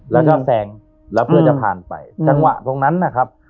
แล้วก็แซงแล้วเพื่อจะผ่านไปจังหวะตรงนั้นนะครับ